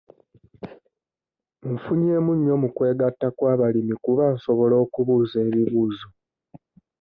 Nfunyemu nnyo mu kwegatta kw'abalimi kuba nsobola okubuuza ebibuuzo.